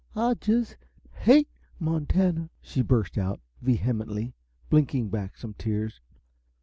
"I just HATE Montana!" she burst out, vehemently, blinking back some tears.